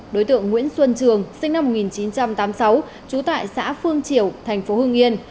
đối tượng nguyễn xuân trường sinh năm một nghìn chín trăm tám mươi sáu trú tại xã phương triều thành phố hưng yên